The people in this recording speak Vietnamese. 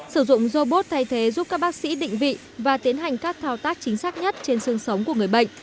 sử dụng robot thay thế giúp các bác sĩ định vị và tiến hành các thao tác chính xác nhất trên xương sống của người bệnh